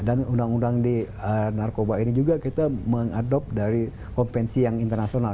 dan undang undang di narkoba ini juga kita mengadopsi dari kompensi yang internasional